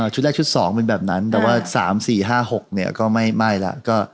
ชุดแรกชุดสองเป็นแบบนั้นแต่ว่าสามสี่ห้าหกเนี่ยก็ไม่แล้ว